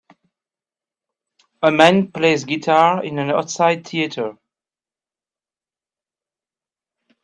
A man plays guitar in an outside theater.